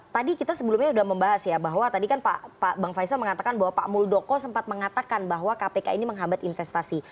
tadi kita sebelumnya sudah membahas ya bahwa tadi kan pak bang faisal mengatakan bahwa pak muldoko sempat mengatakan bahwa kpk ini menghambat investasi